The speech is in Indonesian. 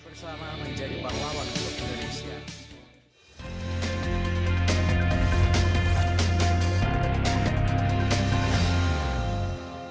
bersama menjadi pahlawan klub indonesia